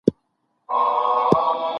هغوی د شیدو په څښلو بوخت دي.